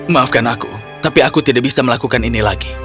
maafkan aku tapi aku tidak bisa melakukan ini lagi